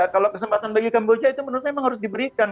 kalau kesempatan bagi kamboja itu menurut saya memang harus diberikan